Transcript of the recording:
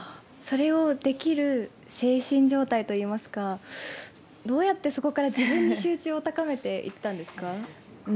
それをできる精神状態といいますかどうやってそこから自分の集中を高めていったんですか？